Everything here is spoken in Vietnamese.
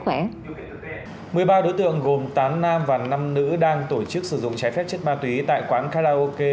một mươi ba đối tượng gồm tám nam và năm nữ đang tổ chức sử dụng trái phép chất ma túy tại quán karaoke